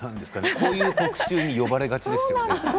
こういう特集に呼ばれがちですよね。